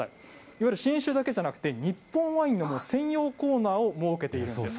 いわゆる新酒だけじゃなくて、日本ワインの専用コーナーを設けているんです。